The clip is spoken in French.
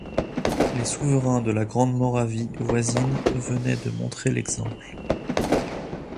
Les souverains de la Grande-Moravie voisine venaient de montrer l'exemple.